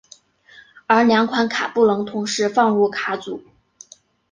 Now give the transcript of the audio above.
而两款卡不能同时放入卡组。